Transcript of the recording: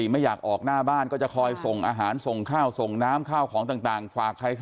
มาให้เข้าไห้ออก